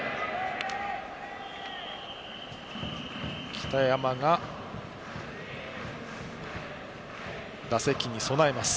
北山が打席に備えています。